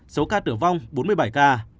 số ca tử vong bốn mươi bảy ca